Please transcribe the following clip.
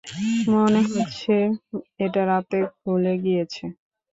মনে হচ্ছে এটা রাতে খুলে গিয়েছে।